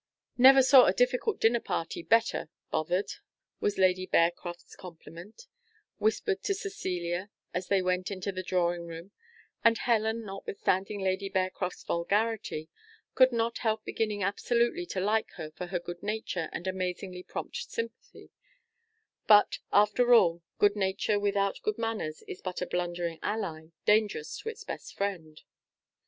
"Never saw a difficult dinner party better bothered!" was Lady Bearcroft's compliment, whispered to Cecilia as they went into the drawing room; and Helen, notwithstanding Lady Bearcroft's vulgarity, could not help beginning absolutely to like her for her good nature and amazingly prompt sympathy; but, after all, good nature without good manners is but a blundering ally, dangerous to its best friend.